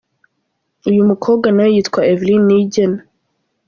Uyu mukobwa nawe yitwa Evelyne Niyigena .